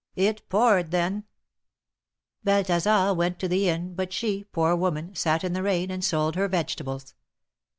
It poured then !" Balthasar went to the inn, but she, poor woman, sat in the rain and sold her vegetables.